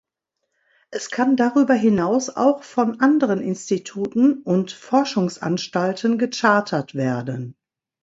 Es kann darüber hinaus auch von anderen Instituten und Forschungsanstalten gechartert werden.